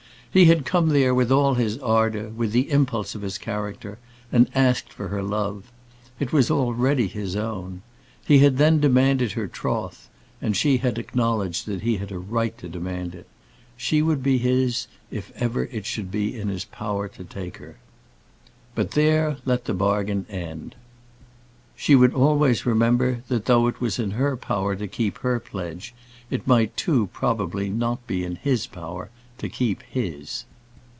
He had come there with all his ardour, with the impulse of his character, and asked for her love. It was already his own. He had then demanded her troth, and she acknowledged that he had a right to demand it. She would be his if ever it should be in his power to take her. But there let the bargain end. She would always remember, that though it was in her power to keep her pledge, it might too probably not be in his power to keep his.